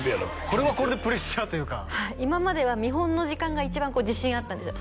これはこれでプレッシャーというかはい今までは見本の時間が一番自信あったんですよ